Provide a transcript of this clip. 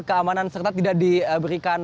keamanan serta tidak diberikan